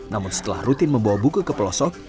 namun setelah rutin membawa buku ke pelosok